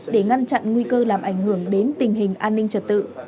để ngăn chặn nguy cơ làm ảnh hưởng đến tình hình an ninh trật tự